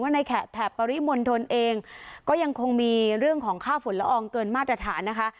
ในแถบปริมณฑลเองก็ยังคงมีเรื่องของค่าฝุ่นละอองเกินมาตรฐานนะคะ